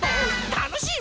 たのしい